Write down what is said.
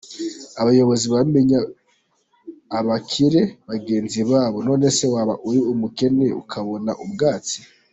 Abayobozi bamenya abakire bagenzi babo, nonese waba uri umukene ukabona ubwatsi.